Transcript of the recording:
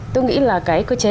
tôi nghĩ là cái cơ chế